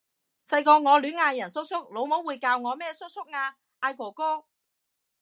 細個我亂嗌人叔叔，老母會教我咩叔叔啊！嗌哥哥！